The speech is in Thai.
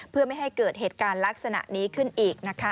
เพื่อไม่ให้เกิดเหตุการณ์ลักษณะนี้ขึ้นอีกนะคะ